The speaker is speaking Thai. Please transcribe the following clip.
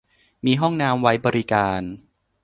มีห้องน้ำไว้บริการ